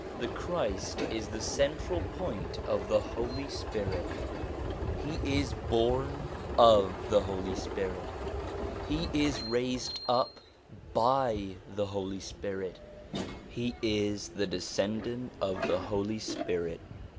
The Christ is the central point of the Holy Spirit : he is born of the Holy Spirit ; he is raised up by the Holy Spirit ; he is the descendant of the Holy Spirit.